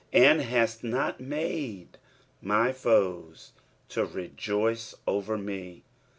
"And hattnot maae my foet to rejoiee tnxr Me."